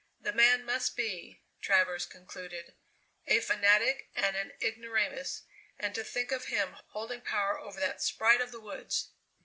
The man must be, Travers concluded, a fanatic and an ignoramus, and to think of him holding power over that sprite of the woods!